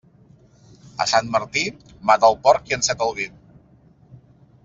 A Sant Martí, mata el porc i enceta el vi.